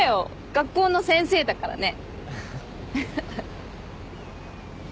学校の先生だからね。